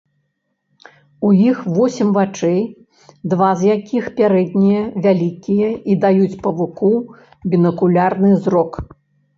У іх восем вачэй, два з якіх, пярэднія, вялікія і даюць павуку бінакулярны зрок.